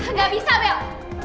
nggak bisa bel